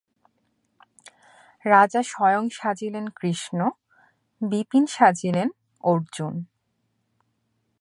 রাজা স্বয়ং সাজিলেন কৃষ্ণ, বিপিন সাজিলেন অর্জুন।